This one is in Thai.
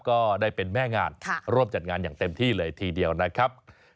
ก็ได้เป็นแม่งานร่วมจัดงานอย่างเต็มที่เลยทีเดียวนะครับ